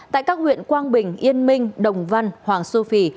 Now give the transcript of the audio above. tại các huyện quang bình yên minh đồng văn hoàng su phi